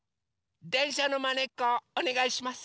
でんしゃのまねっこおねがいします。